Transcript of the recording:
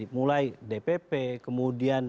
mulai dpp kemudian